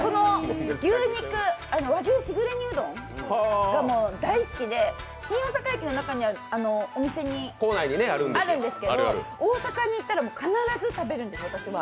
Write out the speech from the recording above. この和牛しぐれ煮うどんが、もう大好きで、新大阪駅の中にあるんですけど、大阪に行ったら私は必ず食べるんですね。